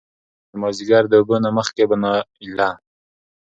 د مازديګر د اوبو نه مخکې به نايله